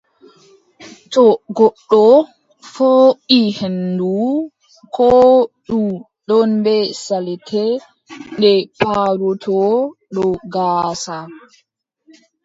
To goɗɗo fooɗi henndu, koo ndu ɗon bee salte, ɗe palotoo dow gaasa.